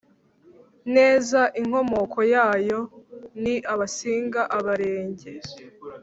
neza inkomoko yayo ni Abasinga Abarenge